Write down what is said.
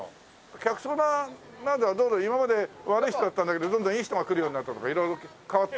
客層は今まで悪い人だったんだけどどんどんいい人が来るようになったとか色々変わった？